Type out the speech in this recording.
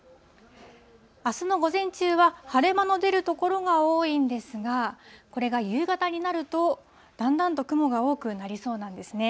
あすの午前中は晴れ間の出る所が多いんですが、これが夕方になると、だんだんと雲が多くなりそうなんですね。